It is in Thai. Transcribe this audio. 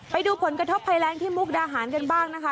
ไปดูผลกระทบภัยแรงที่มุกดาหารกันบ้างนะคะ